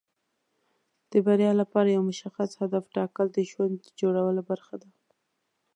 د بریا لپاره یو مشخص هدف ټاکل د ژوند د جوړولو برخه ده.